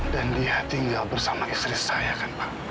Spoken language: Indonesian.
dan dia tinggal bersama istri saya kan pak